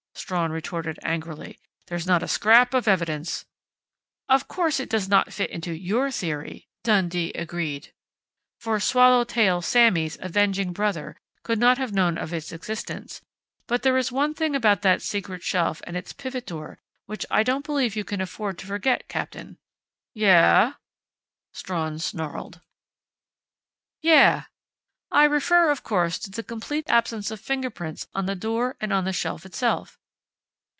Strawn retorted angrily. "There's not a scrap of evidence " "Of course it does not fit into your theory," Dundee agreed, "for 'Swallow tail Sammy's' avenging brother could not have known of its existence, but there is one thing about that secret shelf and its pivot door which I don't believe you can afford to forget, Captain!" "Yeah?" Strawn snarled. "Yeah!... I refer, of course, to the complete absence of fingerprints on the door and on the shelf itself!